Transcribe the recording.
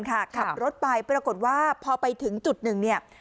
ขับรถไปปรากฏว่าพอไปถึงจุดหนึ่งเนี่ย